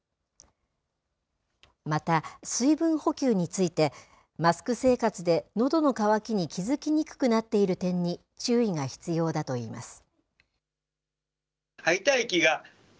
また、水分補給について、マスク生活でのどの渇きに気付きにくくなっている点に注意が必要だといいます。